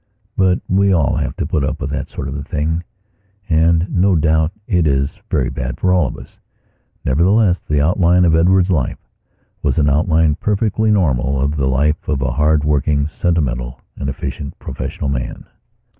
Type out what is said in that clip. But we all have to put up with that sort of thing and no doubt it is very bad for all of us. Nevertheless, the outline of Edward's life was an outline perfectly normal of the life of a hard working, sentimental and efficient professional man.